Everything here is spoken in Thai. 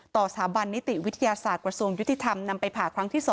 สถาบันนิติวิทยาศาสตร์กระทรวงยุติธรรมนำไปผ่าครั้งที่๒